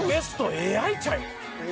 ＡＩちゃう。